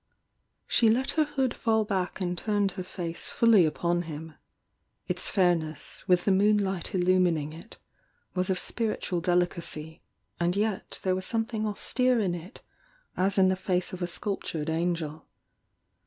She let her hood fall back and turned her fwe fully upon him. Its fairness, with the moonUi^t illumining it, was of spiritual delicacy, and yet there was something austere in it as in the face of a sculp tured angel.